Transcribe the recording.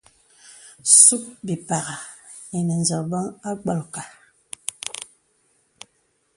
Sùp bìpàghà ìnə zəkbən nə mgbōlka.